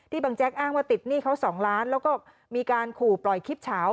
บางแจ๊กอ้างว่าติดหนี้เขา๒ล้านแล้วก็มีการขู่ปล่อยคลิปเฉา